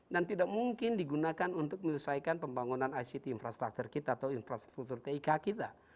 tidak mungkin digunakan untuk menyelesaikan pembangunan ict infrastructure kita atau infrastruktur tik kita